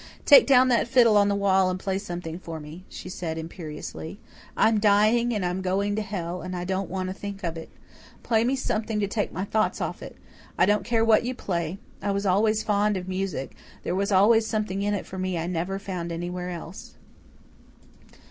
"Take down that fiddle on the wall and play something for me," she said imperiously. "I'm dying and I'm going to hell and I don't want to think of it. Play me something to take my thoughts off it I don't care what you play. I was always fond of music there was always something in it for me I never found anywhere else."